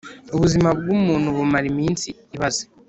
Ubuzima bw’umuntu bumara iminsi ibaze,